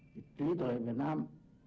chính tuệ việt nam